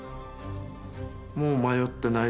もう迷ってない。